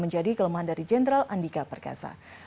jenderal andika perkasa